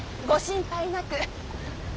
ご心配なく。